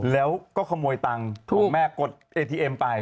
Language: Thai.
แล้วก็ขโมยตังค์ถูกแม่กดเอทีเอ็มไป